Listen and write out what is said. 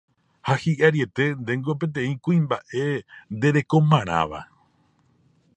ha hi'ariete ndéngo peteĩ kuimba'e nderekomarãva